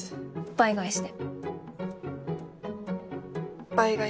倍返しで。